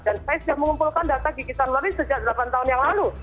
dan saya sudah mengumpulkan data gigitan ulari sejak delapan tahun yang lalu